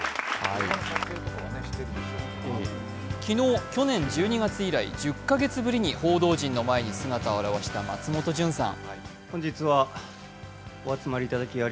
昨日、去年１２月以来、１０カ月ぶりに報道陣の前に姿を現した松本潤さん。